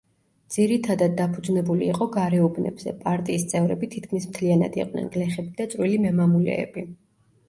ძირითადად დაფუძნებული იყო გარეუბნებზე, პარტიის წევრები თითქმის მთლიანად იყვნენ გლეხები და წვრილი მემამულეები.